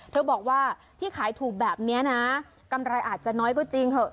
เธอบอกว่าที่ขายถูกแบบนี้นะกำไรอาจจะน้อยก็จริงเถอะ